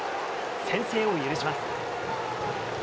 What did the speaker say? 先制を許します。